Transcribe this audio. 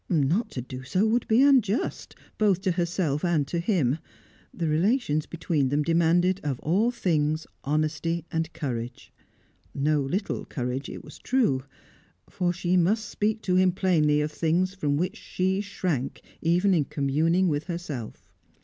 Not to do so, would be unjust, both to herself and to him. The relations between them demanded, of all things, honesty and courage. No little courage, it was true; for she must speak to him plainly of things from which she shrank even in communing with herself.